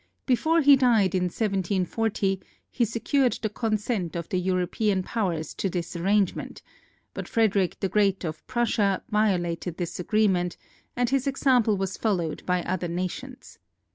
Before he died in 1740 he secured the consent of the European Powers to this arrangement, but Frederic the Great of Prussia violated this agreement, and his example was followed by other nations.